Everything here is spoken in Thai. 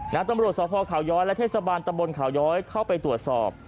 ตำรวจสภขาวย้อยและเทศบาลตะบนเขาย้อยเข้าไปตรวจสอบ